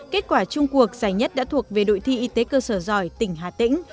kết quả chung cuộc giải nhất đã thuộc về đội thi y tế cơ sở giỏi tỉnh hà tĩnh